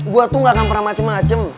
gue tuh gak akan pernah macem macem